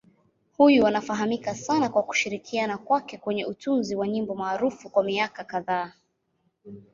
Huyu anafahamika sana kwa kushirikiana kwake kwenye utunzi wa nyimbo maarufu kwa miaka kadhaa.